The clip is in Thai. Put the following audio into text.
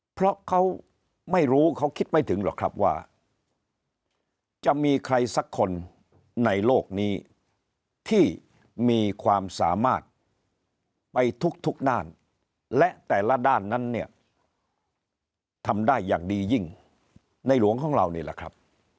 เพราะเขาไม่รู้เขาคิดไม่ถึงหรอกครับว่าจะมีใครสักคนในโลกนี้ที่มีความสามารถไปทุกด้านและแต่ละด้านนั้นเนี่ยทำได้อย่างดียิ่งในหลวงของเรานี่แหละครับ